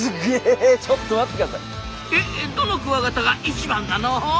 えっどのクワガタが一番なの？